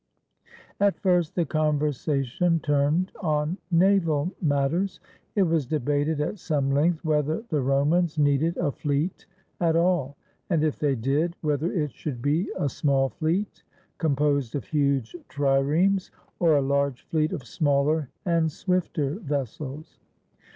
At first the conversation turned on naval matters. It was debated at some length whether the Romans needed a fleet at all, and, if they did, whether it should be a small fleet composed of huge triremes, or a large fleet of smaller and swifter vessels.